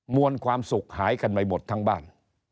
วนความสุขหายกันไปหมดทั้งบ้าน